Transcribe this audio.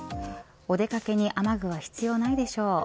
お出掛けに雨具は必要ないでしょう。